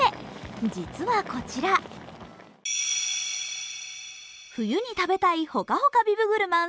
実はこちら、冬に食べたいほかほかビブグルマン